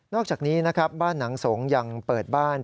อกจากนี้นะครับบ้านหนังสงยังเปิดบ้าน